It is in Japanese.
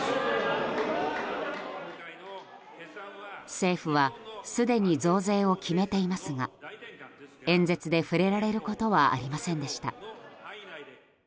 政府はすでに増税を決めていますが演説で触れられることはありませんでした。